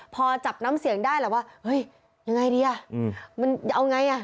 พอจับน้ำเสียงได้แหละว่าเฮ้ยยังไงดีอ่ะมันเอาไงอ่ะ